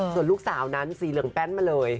ส่วนลูกสาวนั้นสีเหลืองแป้นมาเลย